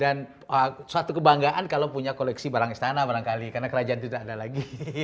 dan suatu kebanggaan kalau punya koleksi barang istana barangkali karena kerajaan itu tidak ada lagi